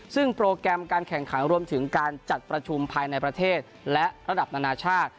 ซึ่งโปรแกรมการแข่งขันรวมถึงการจัดประชุมภายในประเทศและระดับนานาชาติ